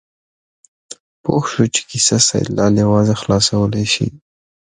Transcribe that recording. پوه شو چې کیسه سیدلال یوازې خلاصولی شي.